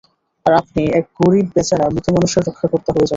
আর আপনি এক গরীব বেচারা মৃত মানুষের রক্ষাকর্তা হয়ে যাবেন।